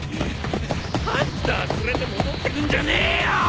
ハンター連れて戻ってくんじゃねえよ！